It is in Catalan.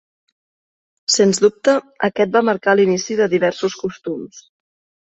Sens dubte, aquest va marcar l'inici de diversos costums.